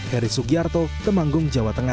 dari sugiarto ke manggung jawa tenggara